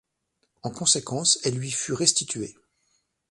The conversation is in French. En conséquence, elle lui fut restituée.